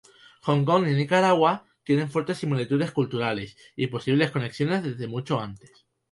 Hong Kong y Nicaragua tienen fuertes similitudes culturales y posibles conexiones desde mucho antes.